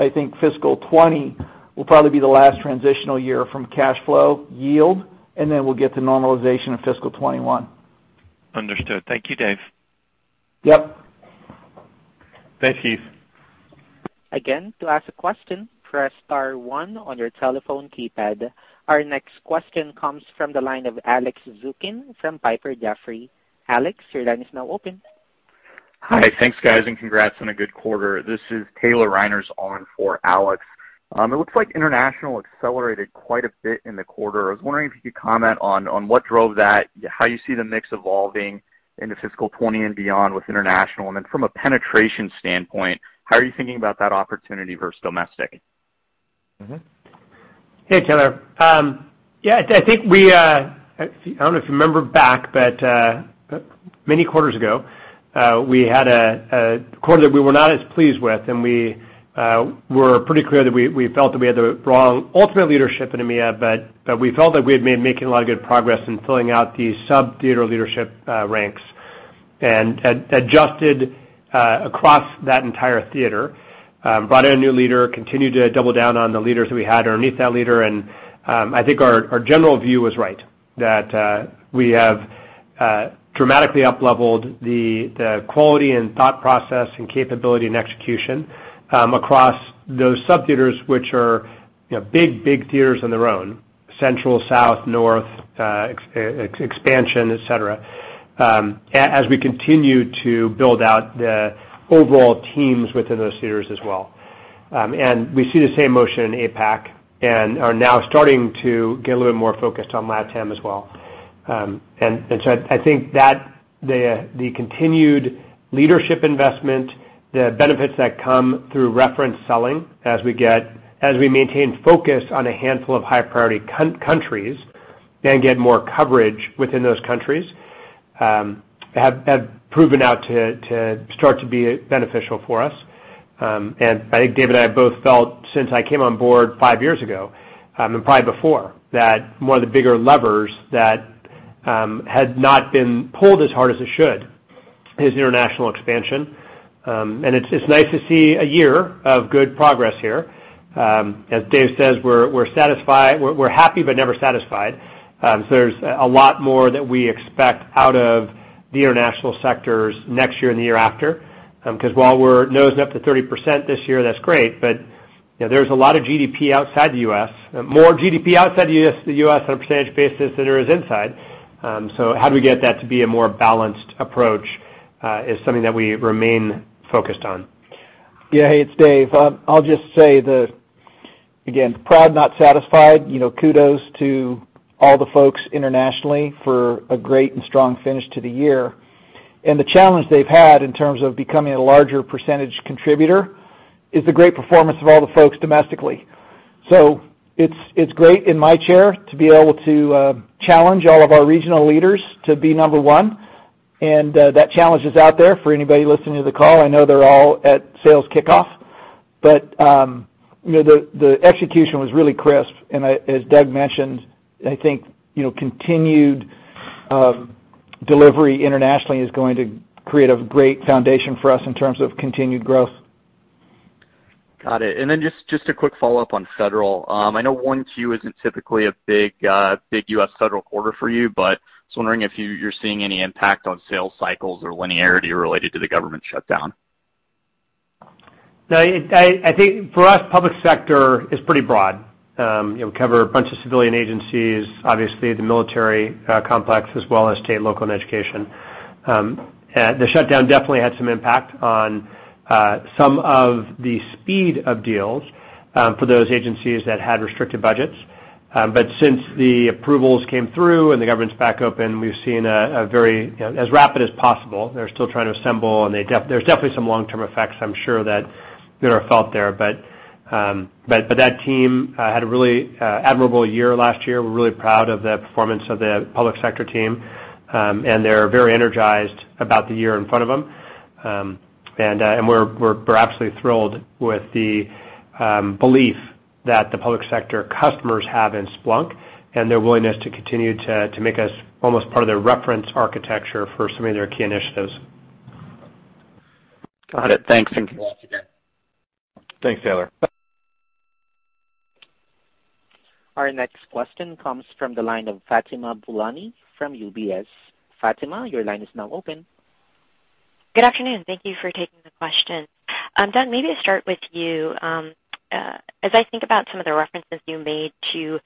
I think fiscal 2020 will probably be the last transitional year from cash flow yield, and then we'll get to normalization in fiscal 2021. Understood. Thank you, Dave. Yep. Thanks, Keith. Again, to ask a question, press star one on your telephone keypad. Our next question comes from the line of Alex Zukin from Piper Jaffray. Alex, your line is now open. Hi. Thanks, guys, and congrats on a good quarter. This is Taylor Reiners on for Alex. It looks like international accelerated quite a bit in the quarter. I was wondering if you could comment on what drove that, how you see the mix evolving into FY 2020 and beyond with international. From a penetration standpoint, how are you thinking about that opportunity versus domestic? Hey, Taylor. I don't know if you remember back, but many quarters ago, we had a quarter that we were not as pleased with, and we were pretty clear that we felt that we had the wrong ultimate leadership in EMEA, but we felt that we had been making a lot of good progress in filling out the sub-theater leadership ranks. Had adjusted across that entire theater. Brought in a new leader, continued to double down on the leaders that we had underneath that leader. I think our general view was right, that we have dramatically upleveled the quality and thought process and capability and execution across those sub-theaters, which are big, big theaters on their own. Central, South, North, expansion, et cetera, as we continue to build out the overall teams within those theaters as well. We see the same motion in APAC, and are now starting to get a little more focused on LatAm as well. I think that the continued leadership investment, the benefits that come through reference selling as we maintain focus on a handful of high-priority countries and get more coverage within those countries have proven out to start to be beneficial for us. I think Dave and I both felt since I came on board five years ago, and probably before, that one of the bigger levers that had not been pulled as hard as it should is international expansion. It's nice to see a year of good progress here. As Dave says, we're happy but never satisfied. There's a lot more that we expect out of the international sectors next year and the year after. Because while we're nosing up to 30% this year, that's great, but there's a lot of GDP outside the U.S., more GDP outside the U.S. on a percentage basis than there is inside. How do we get that to be a more balanced approach, is something that we remain focused on. Hey, it's Dave. I'll just say that, again, proud, not satisfied. Kudos to all the folks internationally for a great and strong finish to the year. The challenge they've had in terms of becoming a larger percentage contributor is the great performance of all the folks domestically. It's great in my chair to be able to challenge all of our regional leaders to be number one, and that challenge is out there for anybody listening to the call. I know they're all at sales kickoff. The execution was really crisp, and as Doug mentioned, I think continued delivery internationally is going to create a great foundation for us in terms of continued growth. Got it. Then just a quick follow-up on federal. I know 1Q isn't typically a big U.S. federal quarter for you, just wondering if you're seeing any impact on sales cycles or linearity related to the government shutdown. No, I think for us, public sector is pretty broad. We cover a bunch of civilian agencies, obviously the military complex, as well as state, local, and education. The shutdown definitely had some impact on some of the speed of deals for those agencies that had restricted budgets. Since the approvals came through and the government's back open, we've seen as rapid as possible. They're still trying to assemble, and there's definitely some long-term effects I'm sure that are felt there. That team had a really admirable year last year. We're really proud of the performance of the public sector team, and they're very energized about the year in front of them. We're absolutely thrilled with the belief that the public sector customers have in Splunk and their willingness to continue to make us almost part of their reference architecture for some of their key initiatives. Got it. Thanks. Thanks, Taylor. Our next question comes from the line of Fatima Boolani from UBS. Fatima, your line is now open. Good afternoon. Thank you for taking the question. Doug, maybe to start with you. As I think about some of the references you made to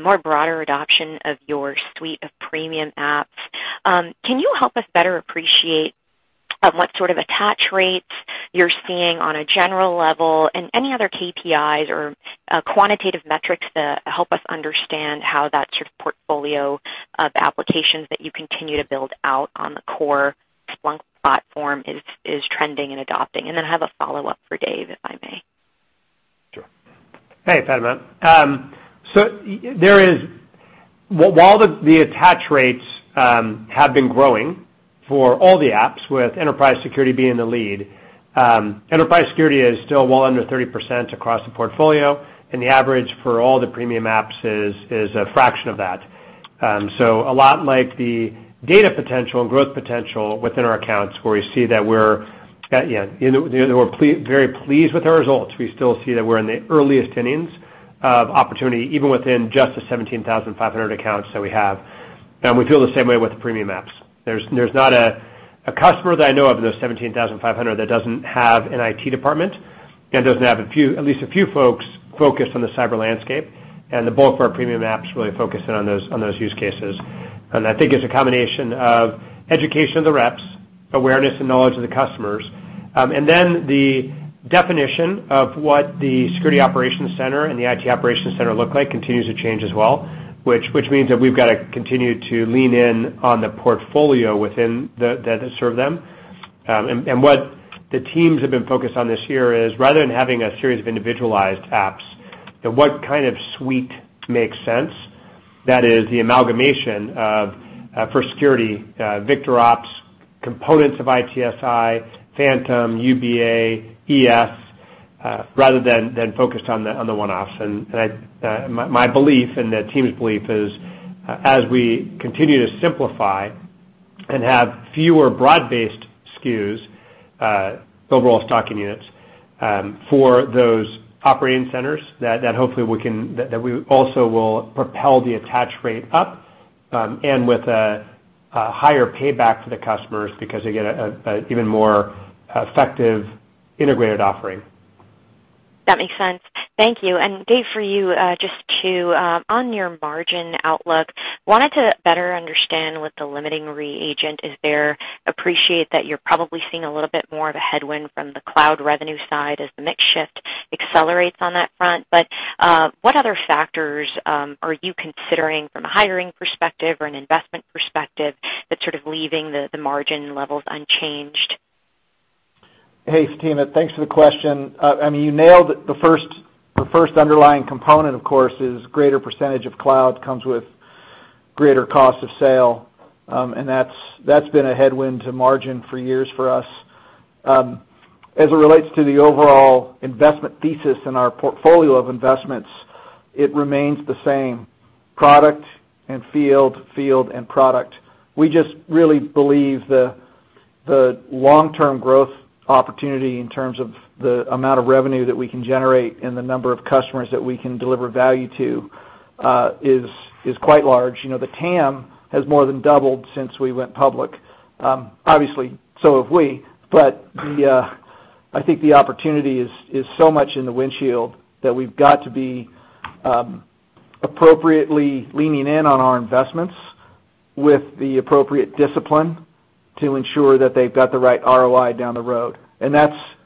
more broader adoption of your suite of premium apps, can you help us better appreciate what sort of attach rates you're seeing on a general level and any other KPIs or quantitative metrics to help us understand how that portfolio of applications that you continue to build out on the core Splunk platform is trending and adopting? Then I have a follow-up for Dave, if I may. Sure. Hey, Fatima. While the attach rates have been growing for all the apps, with Enterprise Security being the lead, Enterprise Security is still well under 30% across the portfolio, and the average for all the premium apps is a fraction of that. A lot like the data potential and growth potential within our accounts where we see that we're very pleased with our results, we still see that we're in the earliest innings of opportunity, even within just the 17,500 accounts that we have. We feel the same way with the premium apps. There's not a customer that I know of in those 17,500 that doesn't have an IT department and doesn't have at least a few folks focused on the cyber landscape. The bulk of our premium apps really focus in on those use cases. I think it's a combination of education of the reps, awareness and knowledge of the customers, then the definition of what the security operations center and the IT operations center look like continues to change as well, which means that we've got to continue to lean in on the portfolio within that serve them. What the teams have been focused on this year is rather than having a series of individualized apps, what kind of suite makes sense. That is the amalgamation of, for security, VictorOps, components of ITSI, Phantom, UBA, ES, rather than focused on the one-offs. My belief and the team's belief is as we continue to simplify and have fewer broad-based SKUs, overall stocking units, for those operating centers, that hopefully we also will propel the attach rate up and with a higher payback for the customers because they get an even more effective integrated offering. That makes sense. Thank you. Dave, for you, just on your margin outlook, wanted to better understand what the limiting reagent is there. Appreciate that you're probably seeing a little bit more of a headwind from the cloud revenue side as the mix shift accelerates on that front. What other factors are you considering from a hiring perspective or an investment perspective that's leaving the margin levels unchanged? Hey, Fatima, thanks for the question. You nailed it. The first underlying component, of course, is greater percentage of cloud comes with greater cost of sale, and that's been a headwind to margin for years for us. As it relates to the overall investment thesis in our portfolio of investments, it remains the same. Product and field and product. We just really believe the long-term growth opportunity in terms of the amount of revenue that we can generate and the number of customers that we can deliver value to is quite large. The TAM has more than doubled since we went public. Obviously, so have we, but I think the opportunity is so much in the windshield that we've got to be appropriately leaning in on our investments with the appropriate discipline to ensure that they've got the right ROI down the road.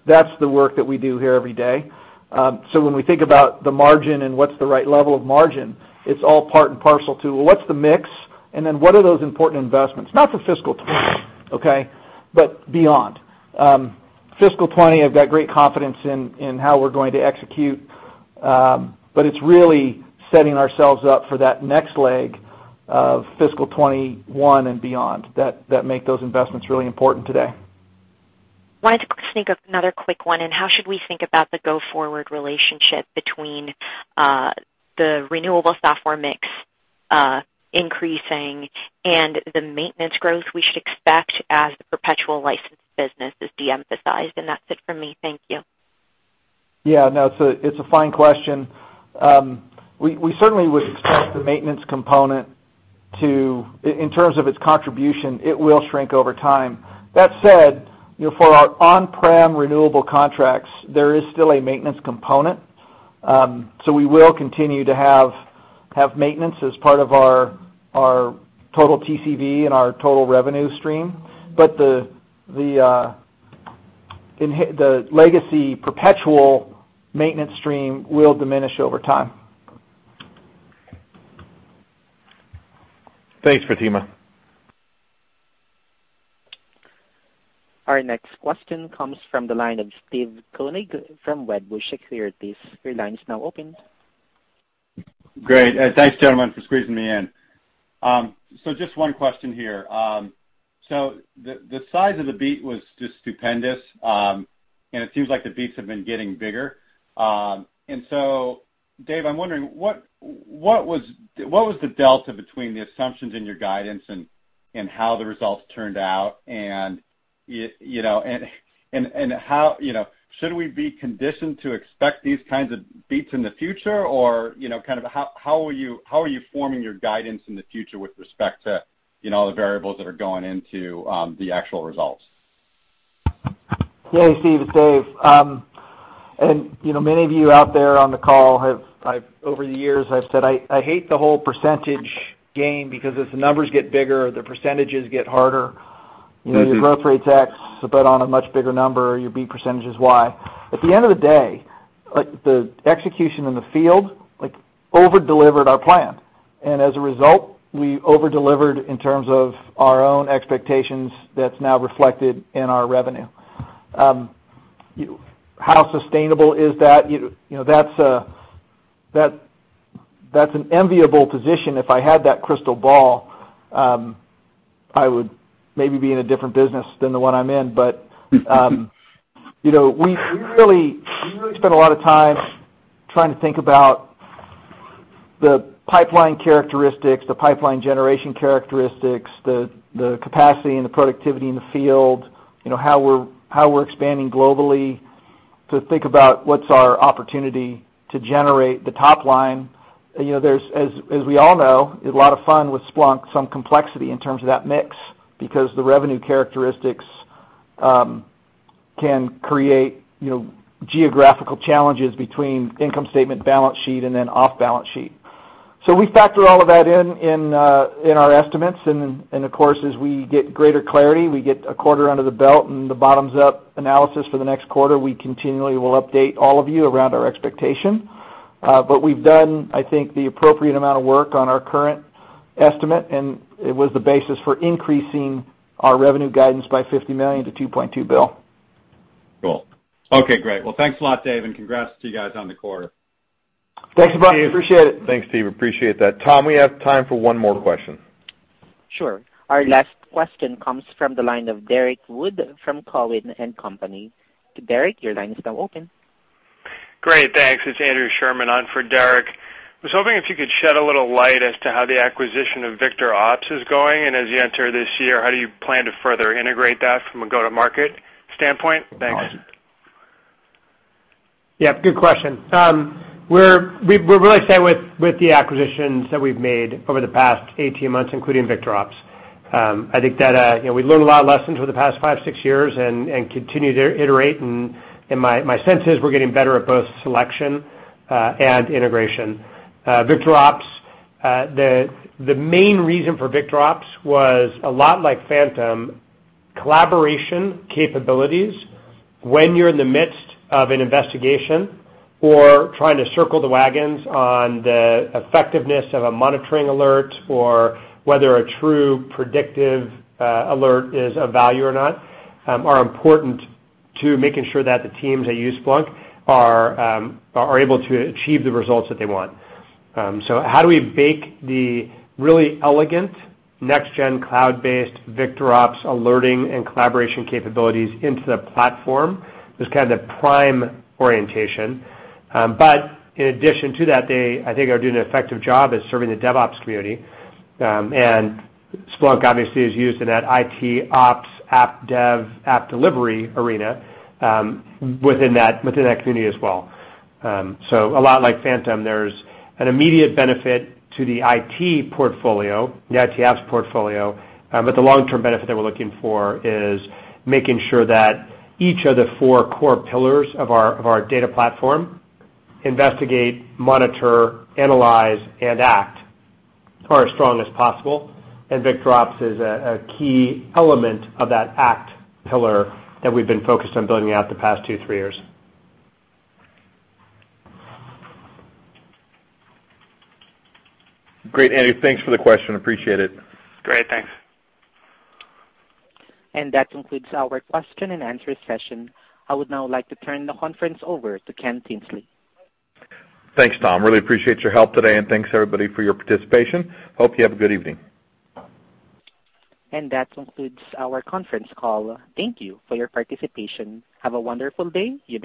That's the work that we do here every day. When we think about the margin and what's the right level of margin, it's all part and parcel to what's the mix, and what are those important investments? Not for fiscal 2020, okay, but beyond. Fiscal 2020, I've got great confidence in how we're going to execute. It's really setting ourselves up for that next leg of fiscal 2021 and beyond that make those investments really important today. Wanted to sneak another quick one in. How should we think about the go-forward relationship between the renewable software mix increasing and the maintenance growth we should expect as the perpetual license business is de-emphasized? That's it for me. Thank you. No, it's a fine question. We certainly would expect the maintenance component to, in terms of its contribution, it will shrink over time. That said, for our on-prem renewable contracts, there is still a maintenance component. We will continue to have maintenance as part of our total TCV and our total revenue stream. The legacy perpetual maintenance stream will diminish over time. Thanks, Fatima. Our next question comes from the line of Steve Koenig from Wedbush Securities. Your line is now open. Great. Thanks, gentlemen, for squeezing me in. Just one question here. The size of the beat was just stupendous, and it seems like the beats have been getting bigger. Dave, I'm wondering, what was the delta between the assumptions in your guidance and how the results turned out? Should we be conditioned to expect these kinds of beats in the future? How are you forming your guidance in the future with respect to the variables that are going into the actual results? Yeah, Steve, it's Dave. Many of you out there on the call have, over the years, I've said I hate the whole percentage gain because as the numbers get bigger, the percentages get harder. Your growth rate's X, but on a much bigger number, your beat percentage is Y. At the end of the day, the execution in the field over-delivered our plan, and as a result, we over-delivered in terms of our own expectations that's now reflected in our revenue. How sustainable is that? That's an enviable position. If I had that crystal ball, I would maybe be in a different business than the one I'm in. We really spend a lot of time trying to think about the pipeline characteristics, the pipeline generation characteristics, the capacity and the productivity in the field, how we're expanding globally to think about what's our opportunity to generate the top line. As we all know, a lot of fun with Splunk, some complexity in terms of that mix because the revenue characteristics can create geographical challenges between income statement, balance sheet, and then off balance sheet. We factor all of that in our estimates, of course, as we get greater clarity, we get a quarter under the belt, and the bottoms-up analysis for the next quarter, we continually will update all of you around our expectation. We've done, I think, the appropriate amount of work on our current estimate, and it was the basis for increasing our revenue guidance by $50 million to $2.2 billion. Cool. Okay, great. Well, thanks a lot, Dave, and congrats to you guys on the quarter. Thanks a bunch. Appreciate it. Thanks, Steve. Appreciate that. Tom, we have time for one more question. Sure. Our last question comes from the line of Derrick Wood from Cowen and Company. Derrick, your line is now open. Great, thanks. It's Andrew Sherman on for Derrick. I was hoping if you could shed a little light as to how the acquisition of VictorOps is going, and as you enter this year, how do you plan to further integrate that from a go-to-market standpoint? Thanks. Yeah, good question. We're really excited with the acquisitions that we've made over the past 18 months, including VictorOps. I think that we learned a lot of lessons over the past five, six years and continue to iterate, and my sense is we're getting better at both selection and integration. VictorOps, the main reason for VictorOps was a lot like Phantom, collaboration capabilities when you're in the midst of an investigation or trying to circle the wagons on the effectiveness of a monitoring alert or whether a true predictive alert is of value or not are important to making sure that the teams that use Splunk are able to achieve the results that they want. How do we bake the really elegant next-gen cloud-based VictorOps alerting and collaboration capabilities into the platform is kind of the prime orientation. In addition to that, they, I think, are doing an effective job at serving the DevOps community. Splunk obviously is used in that ITOps, app dev, app delivery arena within that community as well. A lot like Phantom, there's an immediate benefit to the IT portfolio, the ITOps portfolio, but the long-term benefit that we're looking for is making sure that each of the four core pillars of our data platform investigate, monitor, analyze, and act are as strong as possible. VictorOps is a key element of that act pillar that we've been focused on building out the past two, three years. Great, Andy, thanks for the question. Appreciate it. Great. Thanks. That concludes our question and answer session. I would now like to turn the conference over to Ken Tinsley. Thanks, Tom. Really appreciate your help today, and thanks everybody for your participation. Hope you have a good evening. That concludes our conference call. Thank you for your participation. Have a wonderful day.